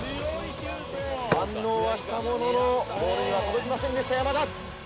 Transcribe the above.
反応はしたもののボールに届きませんでした山田。